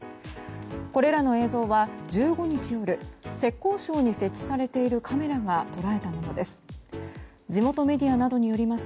これらの映像は１５日夜浙江省に設置されているカメラが捉えたものです。